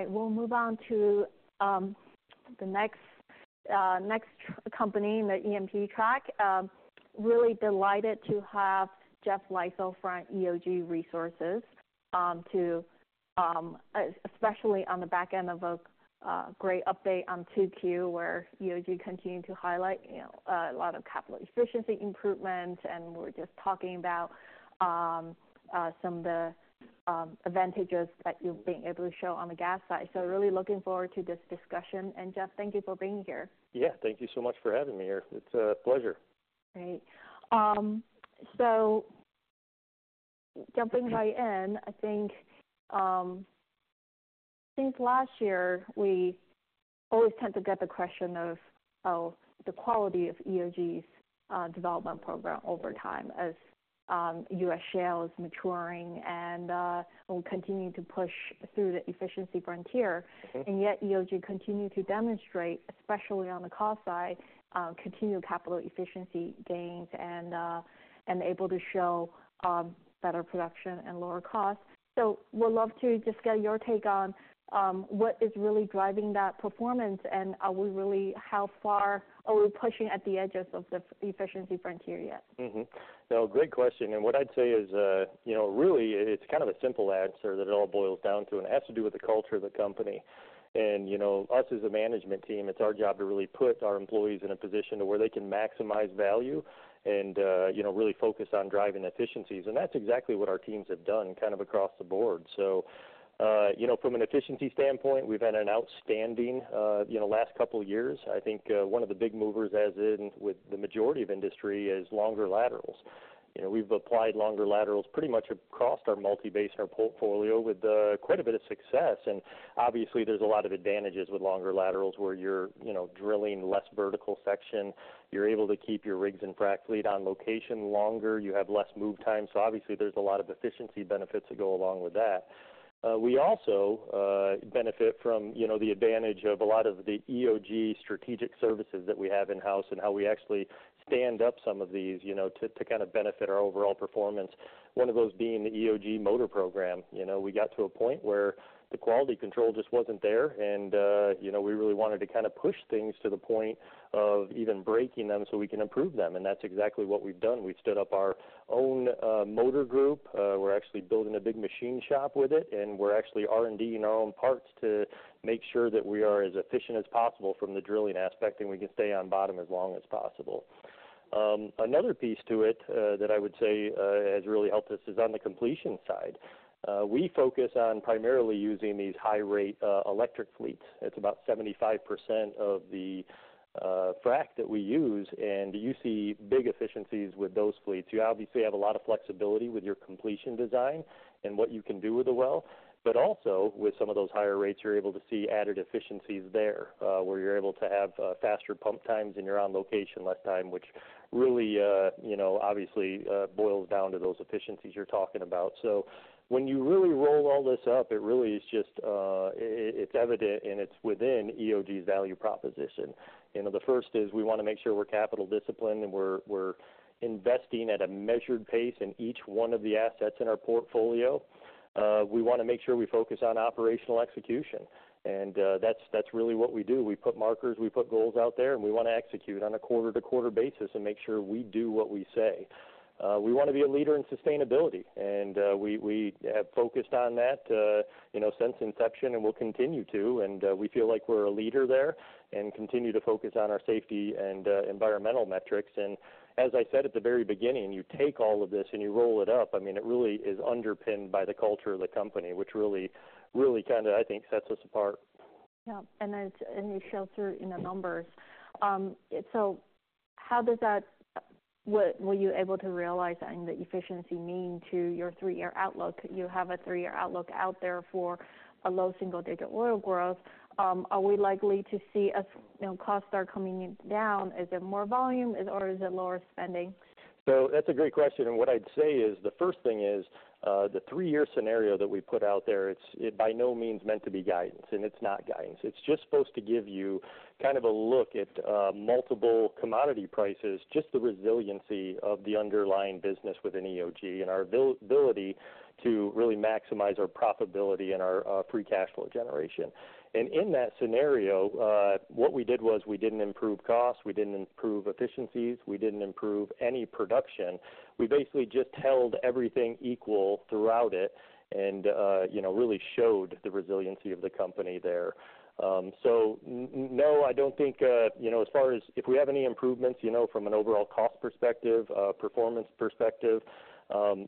All right, we'll move on to the next company in the E&P track. Really delighted to have Jeff Leitzell from EOG Resources especially on the back end of a great update on 2Q, where EOG continued to highlight, you know, a lot of capital efficiency improvement, and we're just talking about some of the advantages that you've been able to show on the gas side. So really looking forward to this discussion, and Jeff, thank you for being here. Yeah, thank you so much for having me here. It's a pleasure. Great. So jumping right in, I think, since last year, we always tend to get the question of, of the quality of EOG's development program over time as, U.S. shale is maturing and, will continue to push through the efficiency frontier. Mm-hmm. Yet, EOG continue to demonstrate, especially on the cost side, continued capital efficiency gains and able to show better production and lower costs. Would love to just get your take on what is really driving that performance, and are we really, how far are we pushing at the edges of the efficiency frontier yet? Mm-hmm. So great question, and what I'd say is, you know, really, it's kind of a simple answer that it all boils down to, and it has to do with the culture of the company. You know, us as a management team, it's our job to really put our employees in a position to where they can maximize value and, you know, really focus on driving efficiencies. That's exactly what our teams have done kind of across the board. You know, from an efficiency standpoint, we've had an outstanding, you know, last couple of years. I think, one of the big movers, as in with the majority of industry, is longer laterals. You know, we've applied longer laterals pretty much across our multi-basin, our portfolio, with quite a bit of success. Obviously, there's a lot of advantages with longer laterals where you're, you know, drilling less vertical section, you're able to keep your rigs and frack fleet on location longer, you have less move time. Obviously, there's a lot of efficiency benefits that go along with that. We also benefit from, you know, the advantage of a lot of the EOG strategic services that we have in-house and how we actually stand up some of these, you know, to kind of benefit our overall performance. One of those being the EOG Motor Program. You know, we got to a point where the quality control just wasn't there, and, you know, we really wanted to kind of push things to the point of even breaking them so we can improve them, and that's exactly what we've done. We've stood up our own motor group. We're actually building a big machine shop with it, and we're actually R&D-ing our own parts to make sure that we are as efficient as possible from the drilling aspect, and we can stay on bottom as long as possible. Another piece to it that I would say has really helped us is on the completion side. We focus on primarily using these high-rate electric fleets. It's about 75% of the frack that we use, and you see big efficiencies with those fleets. You obviously have a lot of flexibility with your completion design and what you can do with the well, but also with some of those higher rates, you're able to see added efficiencies there, where you're able to have faster pump times and you're on location less time, which really, you know, obviously, boils down to those efficiencies you're talking about. So when you really roll all this up, it really is just, it, it's evident and it's within EOG's value proposition. You know, the first is we wanna make sure we're capital disciplined, and we're investing at a measured pace in each one of the assets in our portfolio. We wanna make sure we focus on operational execution, and that's really what we do. We put markers, we put goals out there, and we wanna execute on a quarter-to-quarter basis and make sure we do what we say. We wanna be a leader in sustainability, and we have focused on that, you know, since inception, and we'll continue to, and we feel like we're a leader there and continue to focus on our safety and environmental metrics. And as I said at the very beginning, you take all of this and you roll it up, I mean, it really is underpinned by the culture of the company, which really, really kind of, I think, sets us apart. Yeah, and it shows through in the numbers. So how does that, what were you able to realize and the efficiency, mean to your three-year outlook? You have a three-year outlook out there for a low single-digit oil growth. Are we likely to see a, you know, costs are coming down? Is it more volume, or is it lower spending? So that's a great question, and what I'd say is, the first thing is, the three-year scenario that we put out there, it's by no means meant to be guidance, and it's not guidance. It's just supposed to give you kind of a look at, multiple commodity prices, just the resiliency of the underlying business within EOG and our ability to really maximize our profitability and our, free cash flow generation. And in that scenario, what we did was we didn't improve costs, we didn't improve efficiencies, we didn't improve any production. We basically just held everything equal throughout it and, you know, really showed the resiliency of the company there. So, no, I don't think, you know, as far as if we have any improvements, you know, from an overall cost perspective, performance perspective,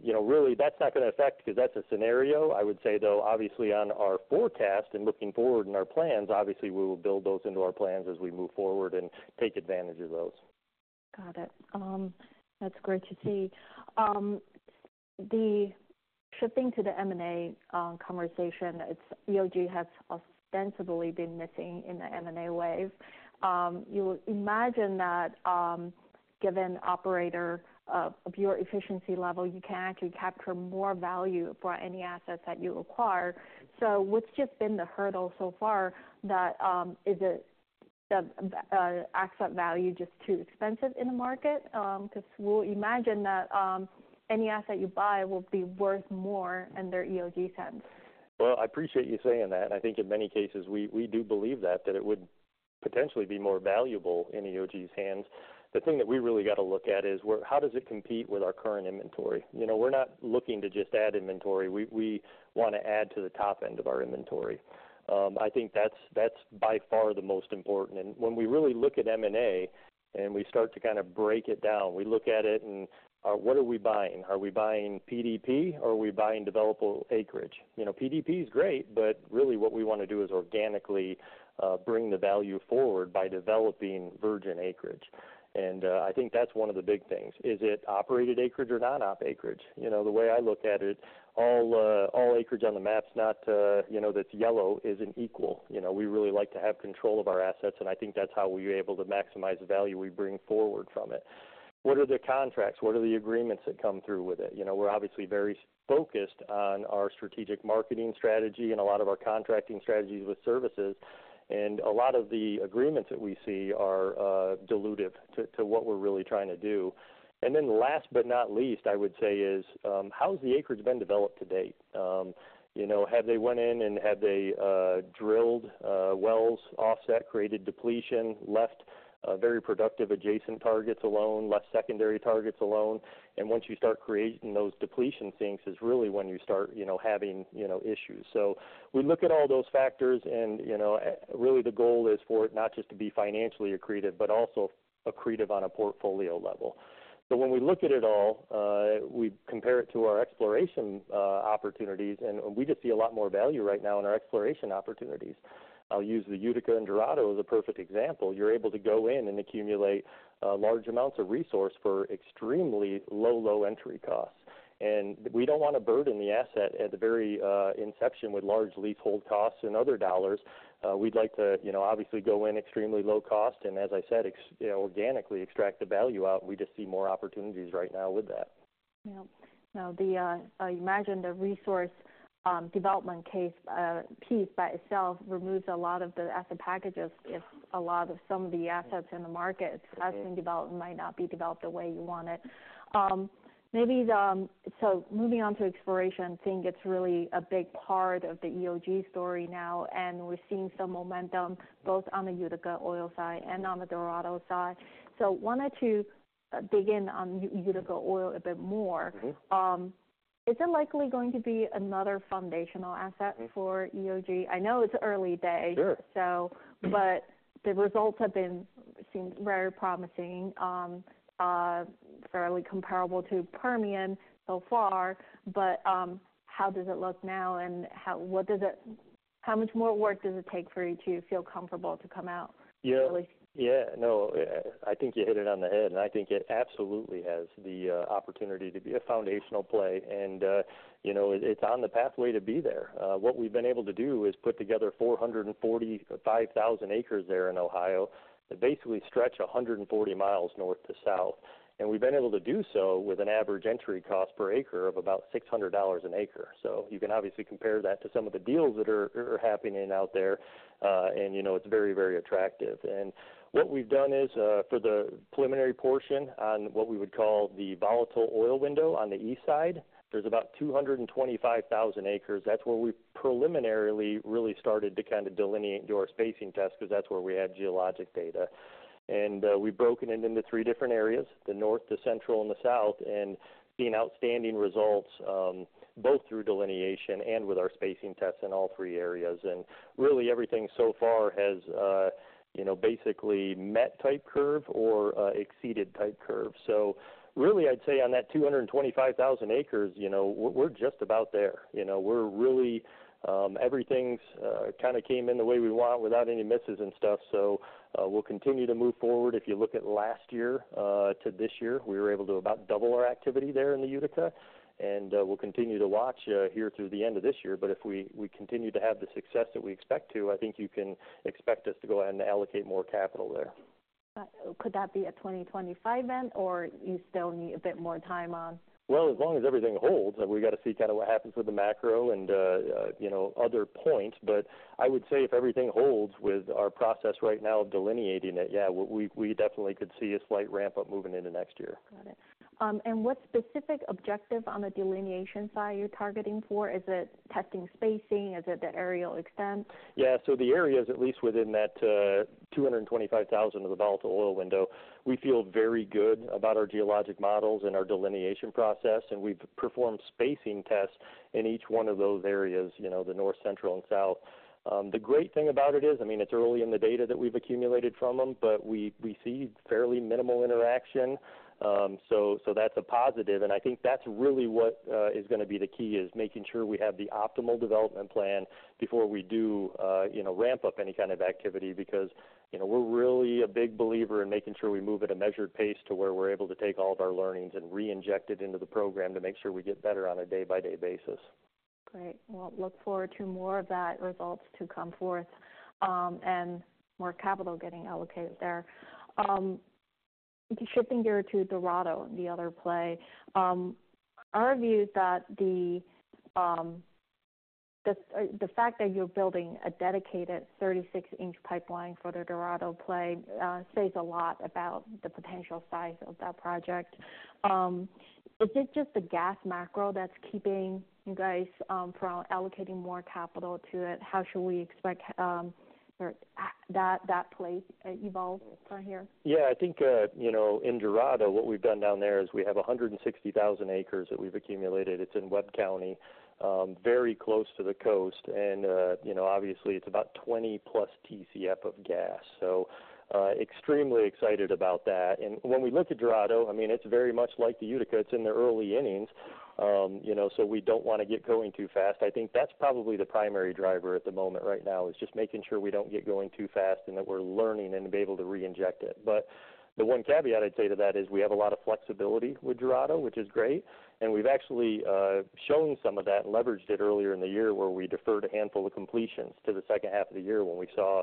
you know, really, that's not gonna affect because that's a scenario. I would say, though, obviously, on our forecast and looking forward in our plans, obviously, we will build those into our plans as we move forward and take advantage of those. Got it. That's great to see. Shifting to the M&A conversation, it's EOG has ostensibly been missing in the M&A wave. You imagine that, given operator of your efficiency level, you can actually capture more value for any assets that you acquire. So what's just been the hurdle so far that is it the asset value just too expensive in the market? Because we'll imagine that any asset you buy will be worth more under EOG's hands. I appreciate you saying that. I think in many cases, we do believe that it would potentially be more valuable in EOG's hands. The thing that we really got to look at is how does it compete with our current inventory? You know, we're not looking to just add inventory. We want to add to the top end of our inventory. I think that's by far the most important. And when we really look at M&A, and we start to kind of break it down, we look at it and what are we buying? Are we buying PDP or are we buying developable acreage? You know, PDP is great, but really what we want to do is organically bring the value forward by developing virgin acreage. And I think that's one of the big things. Is it operated acreage or non-op acreage? You know, the way I look at it, all, all acreage on the maps, not all, you know, that's yellow, isn't equal. You know, we really like to have control of our assets, and I think that's how we're able to maximize the value we bring forward from it. What are the contracts? What are the agreements that come through with it? You know, we're obviously very focused on our strategic marketing strategy and a lot of our contracting strategies with services, and a lot of the agreements that we see are, dilutive to what we're really trying to do. And then last but not least, I would say is how's the acreage been developed to date? You know, have they went in and have they drilled wells offset, created depletion, left very productive adjacent targets alone, left secondary targets alone, and once you start creating those depletion sinks, is really when you start, you know, having, you know, issues, so we look at all those factors and, you know, really the goal is for it not just to be financially accretive, but also accretive on a portfolio level, so when we look at it all, we compare it to our exploration opportunities, and we just see a lot more value right now in our exploration opportunities. I'll use the Utica and Dorado as a perfect example. You're able to go in and accumulate large amounts of resource for extremely low, low entry costs. We don't want to burden the asset at the very inception with large leasehold costs and other dollars. We'd like to, you know, obviously go in extremely low cost, and as I said, organically extract the value out. We just see more opportunities right now with that. Yeah. Now, I imagine the resource development case piece by itself removes a lot of the asset packages, if a lot of some of the assets in the market have been developed, might not be developed the way you want it. Maybe the so moving on to exploration, I think it's really a big part of the EOG story now, and we're seeing some momentum both on the Utica oil side and on the Dorado side. Wanted to dig in on Utica oil a bit more. Mm-hmm. Is it likely going to be another foundational asset for EOG? I know it's early days. Sure. so but the results have been, seemed very promising, fairly comparable to Permian so far. But, how does it look now, and how much more work does it take for you to feel comfortable to come out, really? Yeah. Yeah, no, I think you hit it on the head, and I think it absolutely has the opportunity to be a foundational play, and you know, it's on the pathway to be there. What we've been able to do is put together 445,000 acres there in Ohio, that basically stretch 140 mi north to south. And we've been able to do so with an average entry cost per acre of about $600 an acre. So you can obviously compare that to some of the deals that are happening out there, and you know, it's very, very attractive. And what we've done is, for the preliminary portion on what we would call the volatile oil window on the east side, there's about 225,000 acres. That's where we preliminarily really started to kind of delineate, do our spacing test, because that's where we had geologic data, and we've broken it into three different areas, the north, the central, and the south, and seeing outstanding results both through delineation and with our spacing tests in all three areas, and really everything so far has you know basically met type curve or exceeded type curve, so really I'd say on that 225,000 acres, you know, we're just about there. You know, we're really everything's kind of came in the way we want without any misses and stuff, so we'll continue to move forward. If you look at last year to this year, we were able to about double our activity there in the Utica, and we'll continue to watch here through the end of this year. But if we continue to have the success that we expect to, I think you can expect us to go ahead and allocate more capital there. Could that be a 2025 event, or you still need a bit more time on? As long as everything holds, we got to see kind of what happens with the macro and, you know, other points. But I would say if everything holds with our process right now of delineating it, yeah, we definitely could see a slight ramp-up moving into next year. Got it. And what specific objective on the delineation side you're targeting for? Is it testing spacing? Is it the areal extent? Yeah. So the areas, at least within that, 225,000 of the volatile oil window, we feel very good about our geologic models and our delineation process, and we've performed spacing tests in each one of those areas, you know, the north, central, and south. The great thing about it is, I mean, it's early in the data that we've accumulated from them, but we see fairly minimal interaction, so that's a positive, and I think that's really what is going to be the key, is making sure we have the optimal development plan before we do, you know, ramp up any kind of activity. Because, you know, we're really a big believer in making sure we move at a measured pace to where we're able to take all of our learnings and reinject it into the program to make sure we get better on a day-by-day basis. Great. Well, look forward to more of that results to come forth, and more capital getting allocated there. Shifting gear to Dorado, the other play. Our view is that the fact that you're building a dedicated 36 inch pipeline for the Dorado play says a lot about the potential size of that project. Is it just the gas macro that's keeping you guys from allocating more capital to it? How should we expect that play evolve from here? Yeah, I think, you know, in Dorado, what we've done down there is we have a hundred and sixty thousand acres that we've accumulated. It's in Webb County, very close to the coast. And, you know, obviously, it's about 20+ Tcf of gas, so, extremely excited about that. And when we look at Dorado, I mean, it's very much like the Utica. It's in the early innings, you know, so we don't want to get going too fast. I think that's probably the primary driver at the moment right now, is just making sure we don't get going too fast and that we're learning and to be able to reinject it. But the one caveat I'd say to that is we have a lot of flexibility with Dorado, which is great, and we've actually shown some of that, leveraged it earlier in the year, where we deferred a handful of completions to the second half of the year when we saw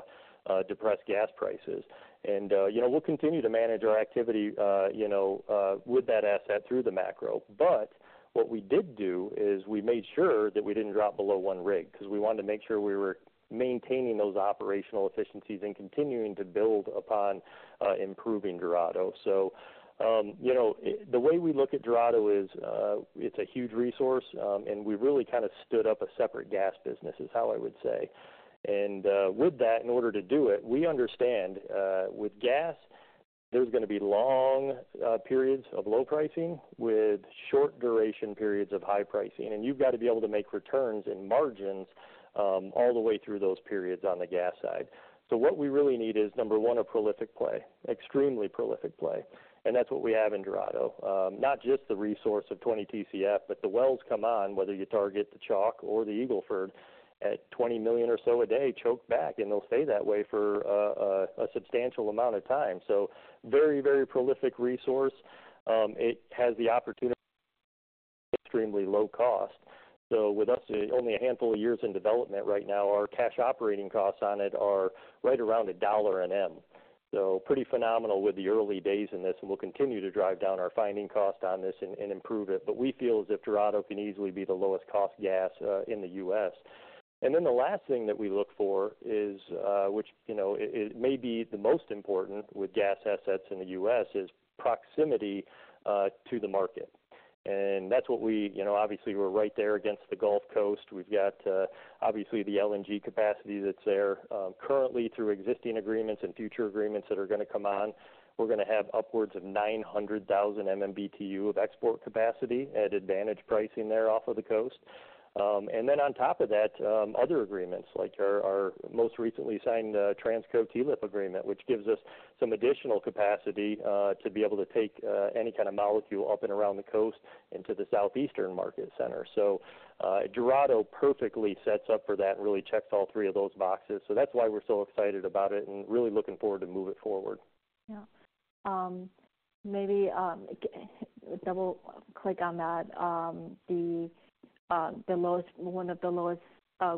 depressed gas prices. And you know, we'll continue to manage our activity, you know, with that asset through the macro. But what we did do is we made sure that we didn't drop below one rig, 'cause we wanted to make sure we were maintaining those operational efficiencies and continuing to build upon improving Dorado. So you know, the way we look at Dorado is, it's a huge resource, and we really kind of stood up a separate gas business, is how I would say. With that, in order to do it, we understand with gas, there's gonna be long periods of low pricing with short duration periods of high pricing, and you've got to be able to make returns and margins all the way through those periods on the gas side. So what we really need is, number one, a prolific play, extremely prolific play, and that's what we have in Dorado. Not just the resource of 20 Tcf, but the wells come on, whether you target the Chalk or the Eagle Ford, at 20 million or so a day, choked back, and they'll stay that way for a substantial amount of time. So very, very prolific resource. It has the opportunity... extremely low cost. So with us, only a handful of years in development right now, our cash operating costs on it are right around $1 an M. So pretty phenomenal with the early days in this, and we'll continue to drive down our finding cost on this and improve it, but we feel as if Dorado can easily be the lowest cost gas in the U.S. And then the last thing that we look for is, which, you know, it may be the most important with gas assets in the U.S., is proximity to the market. And that's what we... You know, obviously, we're right there against the Gulf Coast. We've got, obviously, the LNG capacity that's there. Currently, through existing agreements and future agreements that are gonna come on, we're gonna have upwards of nine hundred thousand MMBtu of export capacity at advantage pricing there off of the coast. And then on top of that, other agreements, like our most recently signed Transco TLEP agreement, which gives us some additional capacity, to be able to take any kind of molecule up and around the coast into the Southeastern market center. So, Dorado perfectly sets up for that and really checks all three of those boxes. So that's why we're so excited about it and really looking forward to move it forward. Yeah. Maybe double-click on that. One of the lowest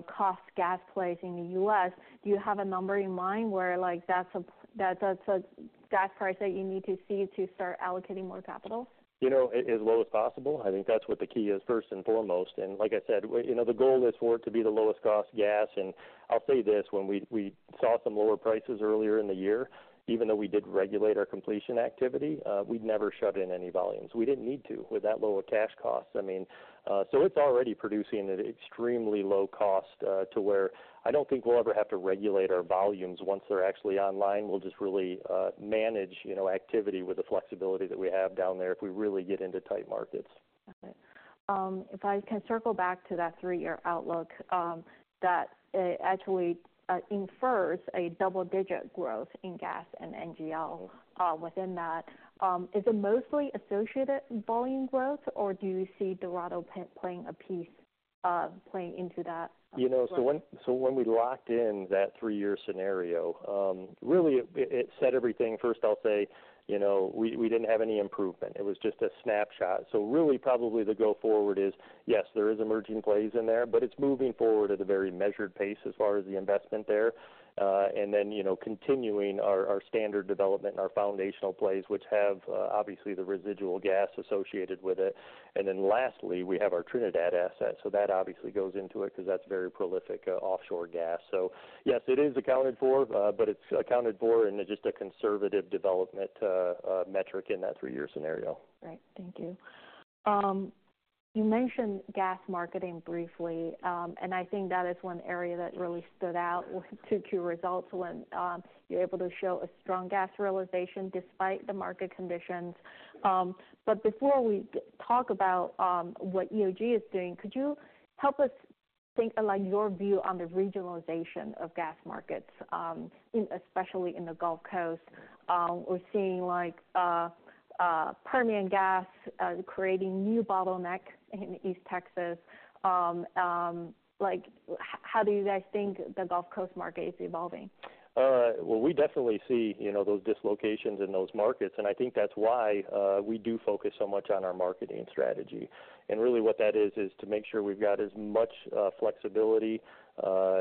cost gas plays in the U.S., do you have a number in mind where, like, that's a gas price that you need to see to start allocating more capital? You know, as low as possible, I think that's what the key is, first and foremost. And like I said, you know, the goal is for it to be the lowest cost gas. And I'll say this, when we saw some lower prices earlier in the year, even though we did regulate our completion activity, we'd never shut in any volumes. We didn't need to with that low of cash costs. I mean, so it's already producing at extremely low cost, to where I don't think we'll ever have to regulate our volumes once they're actually online. We'll just really manage, you know, activity with the flexibility that we have down there if we really get into tight markets. Okay. If I can circle back to that three-year outlook, that actually infers a double-digit growth in gas and NGL. Within that, is it mostly associated volume growth, or do you see Dorado playing a piece, playing into that? You know, so when we locked in that three-year scenario, really, it said everything. First, I'll say, you know, we didn't have any improvement. It was just a snapshot. So really, probably the go forward is, yes, there is emerging plays in there, but it's moving forward at a very measured pace as far as the investment there. And then, you know, continuing our standard development and our foundational plays, which have obviously the residual gas associated with it. And then lastly, we have our Trinidad asset, so that obviously goes into it because that's very prolific offshore gas. So yes, it is accounted for, but it's accounted for in just a conservative development metric in that three-year scenario. Right. Thank you. You mentioned gas marketing briefly, and I think that is one area that really stood out with 2Q results when you're able to show a strong gas realization despite the market conditions. But before we talk about what EOG is doing, could you help us think, like, your view on the regionalization of gas markets, especially in the Gulf Coast? We're seeing like Permian gas creating new bottleneck in East Texas. Like, how do you guys think the Gulf Coast market is evolving? All right, well, we definitely see, you know, those dislocations in those markets, and I think that's why we do focus so much on our marketing strategy, and really, what that is, is to make sure we've got as much flexibility,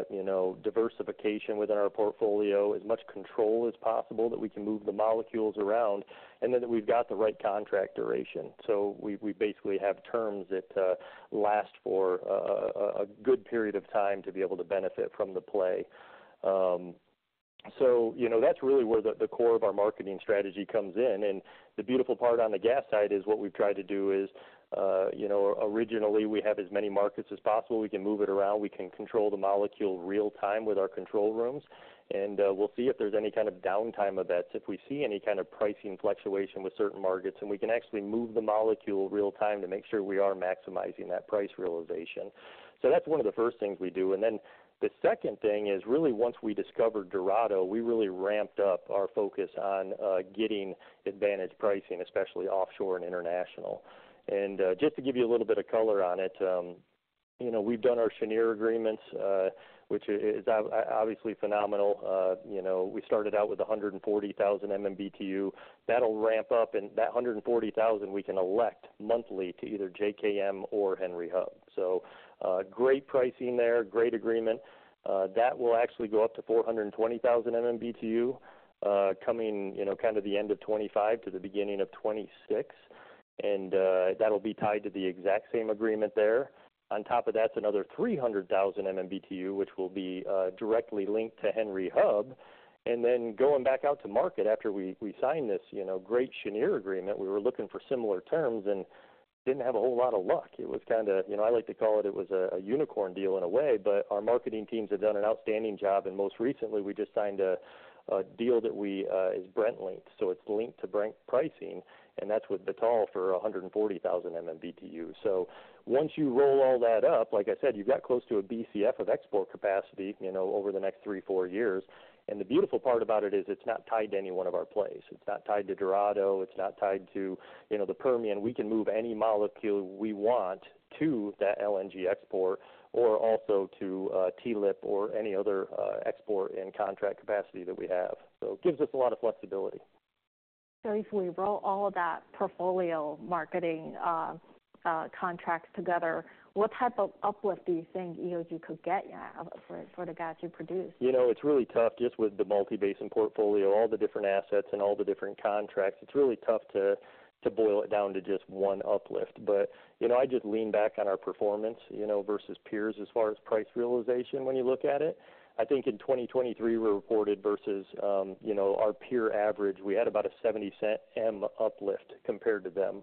you know, diversification within our portfolio, as much control as possible, that we can move the molecules around, and then that we've got the right contract duration, so we basically have terms that last for a good period of time to be able to benefit from the play, so, you know, that's really where the core of our marketing strategy comes in, and the beautiful part on the gas side is what we've tried to do is, you know, originally, we have as many markets as possible. We can move it around, we can control the molecule real-time with our control rooms, and we'll see if there's any kind of downtime events. If we see any kind of pricing fluctuation with certain markets, then we can actually move the molecule real-time to make sure we are maximizing that price realization. So that's one of the first things we do. And then the second thing is, really, once we discovered Dorado, we really ramped up our focus on getting advantage pricing, especially offshore and international. And just to give you a little bit of color on it, you know, we've done our Cheniere agreements, which is obviously phenomenal. You know, we started out with 140,000 MMBtu. That'll ramp up, and that 140,000 we can elect monthly to either JKM or Henry Hub. So, great pricing there. Great agreement. That will actually go up to 420,000 MMBtu, coming, you know, kind of the end of 2025 to the beginning of 2026, and, that'll be tied to the exact same agreement there. On top of that's another three hundred thousand MMBtu, which will be, directly linked to Henry Hub. And then going back out to market after we signed this, you know, great Cheniere agreement, we were looking for similar terms and didn't have a whole lot of luck. It was kind of, you know, I like to call it, it was a unicorn deal in a way, but our marketing teams have done an outstanding job. And most recently, we just signed a deal that we, it's Brent linked, so it's linked to Brent pricing, and that's with Vitol for 140,000 MMBtu. So once you roll all that up, like I said, you've got close to a Bcf of export capacity, you know, over the next three, four years. And the beautiful part about it is it's not tied to any one of our plays. It's not tied to Dorado, it's not tied to, you know, the Permian. We can move any molecule we want to that LNG export or also to TLEP or any other export and contract capacity that we have. So it gives us a lot of flexibility. So if we roll all that portfolio marketing contracts together, what type of uplift do you think EOG could get for the gas you produce? You know, it's really tough just with the multi-basin portfolio, all the different assets and all the different contracts. It's really tough to boil it down to just one uplift. But you know, I just lean back on our performance, you know, versus peers as far as price realization when you look at it. I think in 2023, we reported versus our peer average, we had about a $0.70 M uplift compared to them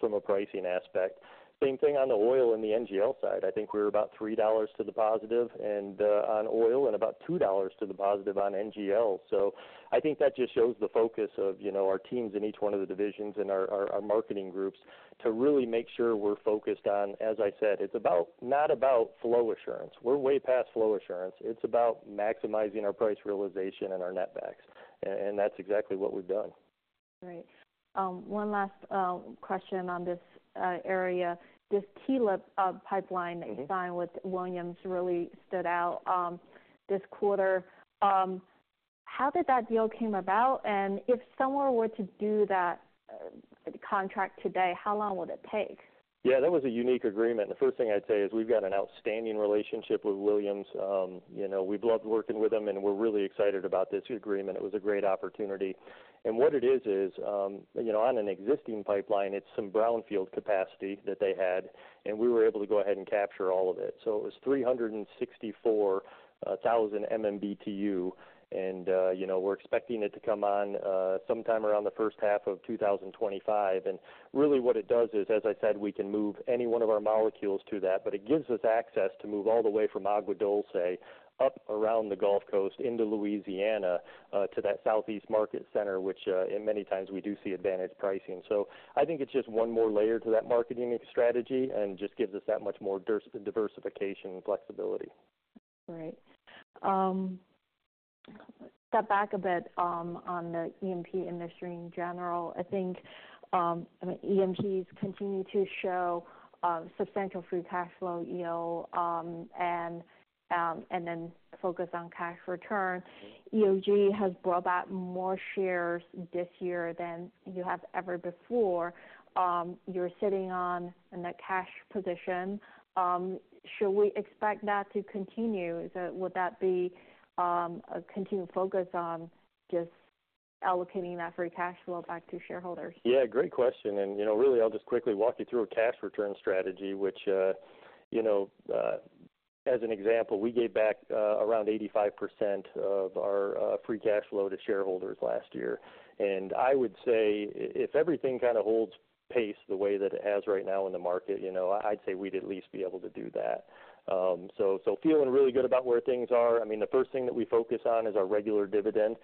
from a pricing aspect. Same thing on the oil and the NGL side. I think we were about $3 to the positive on oil and about $2 to the positive on NGL. So I think that just shows the focus of our teams in each one of the divisions and our marketing groups to really make sure we're focused on. As I said, it's not about flow assurance. We're way past flow assurance. It's about maximizing our price realization and our net backs, and that's exactly what we've done. Great. One last question on this area. This TLEP pipeline that you signed with Williams really stood out this quarter. How did that deal came about? And if someone were to do that contract today, how long would it take? Yeah, that was a unique agreement. The first thing I'd say is we've got an outstanding relationship with Williams. You know, we've loved working with them, and we're really excited about this agreement. It was a great opportunity. What it is is you know, on an existing pipeline, it's some brownfield capacity that they had, and we were able to go ahead and capture all of it. So it was three hundred and sixty-four thousand MMBtu, and you know, we're expecting it to come on sometime around the first half of 2025. Really, what it does is, as I said, we can move any one of our molecules to that, but it gives us access to move all the way from Agua Dulce up around the Gulf Coast into Louisiana, to that Southeast market center, which, in many times we do see advantage pricing. So I think it's just one more layer to that marketing strategy and just gives us that much more diversification and flexibility. Right. Step back a bit, on the E&P industry in general. I think, I mean, E&Ps continue to show, substantial free cash flow, you know, and, and then focus on cash return. EOG has bought back more shares this year than you have ever before. You're sitting on, in that cash position, should we expect that to continue? Is that? Would that be, a continued focus on just allocating that free cash flow back to shareholders? Yeah, great question, and you know, really, I'll just quickly walk you through a cash return strategy, which, as an example, we gave back around 85% of our free cash flow to shareholders last year, and I would say if everything kind of holds pace the way that it has right now in the market, you know, I'd say we'd at least be able to do that, so so feeling really good about where things are. I mean, the first thing that we focus on is our regular dividend.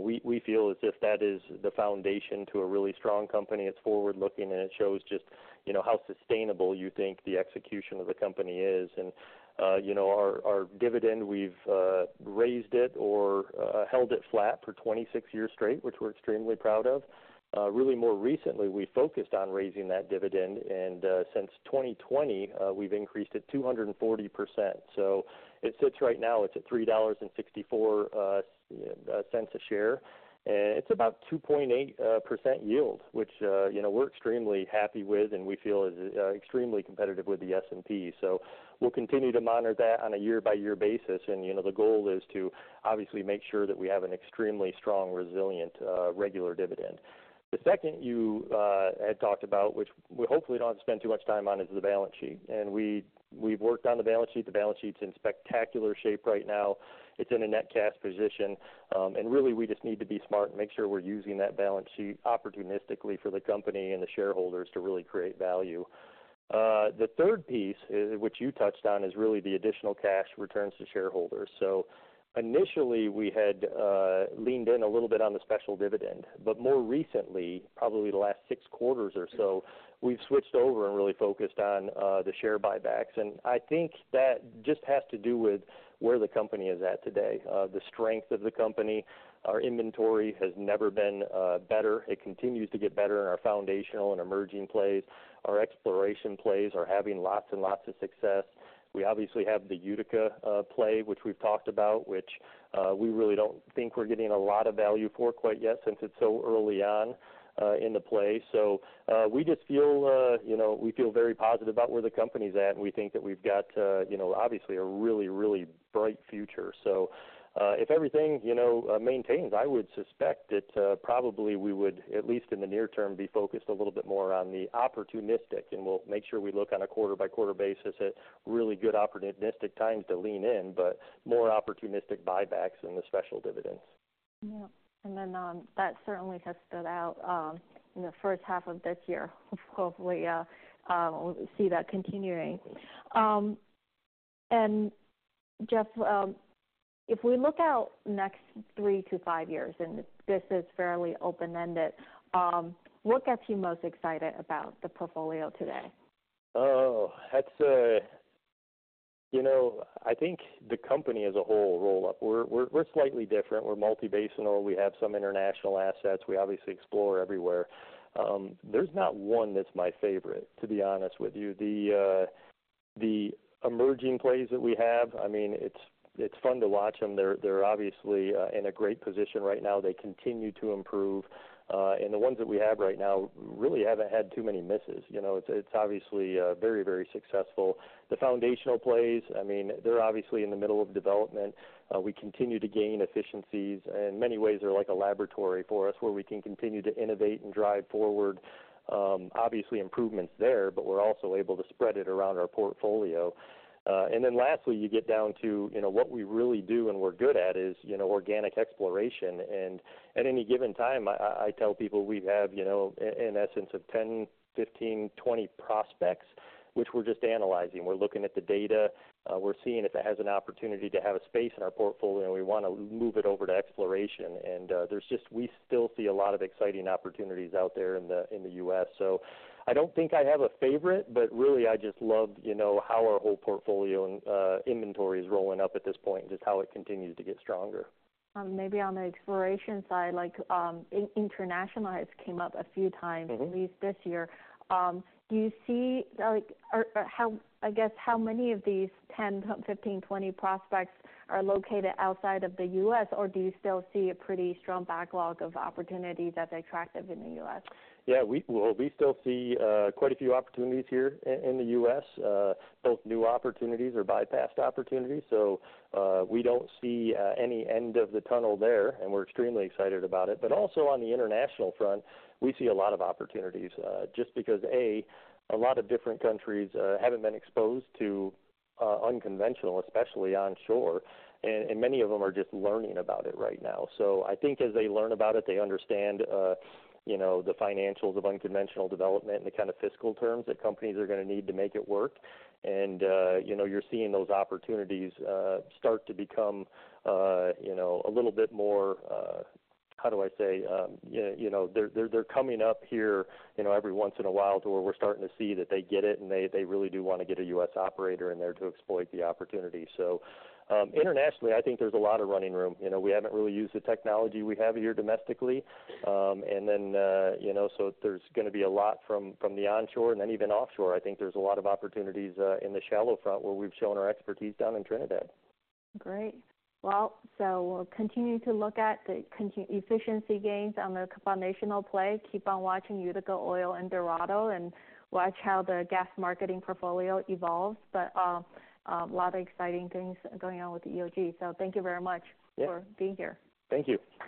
We, we feel as if that is the foundation to a really strong company. It's forward-looking, and it shows just, you know, how sustainable you think the execution of the company is. And you know, our dividend, we've raised it or held it flat for 26 years straight, which we're extremely proud of. Really, more recently, we focused on raising that dividend, and since 2020, we've increased it 240%. So it sits right now, it's at $3.64 a share, and it's about 2.8% yield, which you know, we're extremely happy with and we feel is extremely competitive with the S&P. So we'll continue to monitor that on a year-by-year basis. And you know, the goal is to obviously make sure that we have an extremely strong, resilient regular dividend... The second you had talked about, which we hopefully don't spend too much time on, is the balance sheet. And we have worked on the balance sheet. The balance sheet's in spectacular shape right now. It's in a net cash position, and really, we just need to be smart and make sure we're using that balance sheet opportunistically for the company and the shareholders to really create value. The third piece, which you touched on, is really the additional cash returns to shareholders. So initially, we had leaned in a little bit on the special dividend, but more recently, probably the last six quarters or so, we've switched over and really focused on the share buybacks. And I think that just has to do with where the company is at today, the strength of the company. Our inventory has never been better. It continues to get better in our foundational and emerging plays. Our exploration plays are having lots and lots of success. We obviously have the Utica play, which we've talked about, which we really don't think we're getting a lot of value for quite yet, since it's so early on in the play, so we just feel, you know, we feel very positive about where the company's at, and we think that we've got, you know, obviously a really, really bright future, so if everything, you know, maintains, I would suspect that probably we would, at least in the near term, be focused a little bit more on the opportunistic, and we'll make sure we look on a quarter-by-quarter basis at really good opportunistic times to lean in, but more opportunistic buybacks than the special dividends. Yeah, and then, that certainly has stood out in the first half of this year. Hopefully, we'll see that continuing, and Jeff, if we look out next three to five years, and this is fairly open-ended, what gets you most excited about the portfolio today? Oh, that's, you know, I think the company as a whole roll up. We're slightly different. We're multi-basinal. We have some international assets. We obviously explore everywhere. There's not one that's my favorite, to be honest with you. The emerging plays that we have, I mean, it's fun to watch them. They're obviously in a great position right now. They continue to improve, and the ones that we have right now really haven't had too many misses. You know, it's obviously very, very successful. The foundational plays, I mean, they're obviously in the middle of development. We continue to gain efficiencies, and in many ways, they're like a laboratory for us, where we can continue to innovate and drive forward, obviously, improvements there, but we're also able to spread it around our portfolio. And then lastly, you get down to, you know, what we really do and we're good at is, you know, organic exploration. And at any given time, I tell people we have, you know, in essence, 10, 15, 20 prospects, which we're just analyzing. We're looking at the data. We're seeing if it has an opportunity to have a space in our portfolio, and we want to move it over to exploration. And we still see a lot of exciting opportunities out there in the U.S. So I don't think I have a favorite, but really, I just love, you know, how our whole portfolio and inventory is rolling up at this point, and just how it continues to get stronger. Maybe on the exploration side, like, international has came up a few times. Mm-hmm. At least this year. Do you see, like, or how, I guess, how many of these ten to fifteen, twenty prospects are located outside of the U.S., or do you still see a pretty strong backlog of opportunities that's attractive in the U.S.? Yeah, we, well, we still see quite a few opportunities here in the U.S., both new opportunities or bypassed opportunities. So, we don't see any end of the tunnel there, and we're extremely excited about it. But also on the international front, we see a lot of opportunities, just because, A, a lot of different countries haven't been exposed to unconventional, especially onshore, and many of them are just learning about it right now. So I think as they learn about it, they understand, you know, the financials of unconventional development and the kind of fiscal terms that companies are gonna need to make it work. And, you know, you're seeing those opportunities start to become, you know, a little bit more, how do I say? You know, they're coming up here, you know, every once in a while to where we're starting to see that they get it, and they really do want to get a U.S. operator in there to exploit the opportunity. So, internationally, I think there's a lot of running room. You know, we haven't really used the technology we have here domestically. And then, you know, so there's gonna be a lot from the onshore and then even offshore. I think there's a lot of opportunities in the shallow front, where we've shown our expertise down in Trinidad. Great. We'll continue to look at the capital efficiency gains on the foundational play, keep on watching Utica, oil and Dorado, and watch how the gas marketing portfolio evolves. But, a lot of exciting things going on with EOG, so thank you very much. Yeah. for being here. Thank you.